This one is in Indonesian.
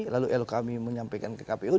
lalu kami menyampaikan ke kpu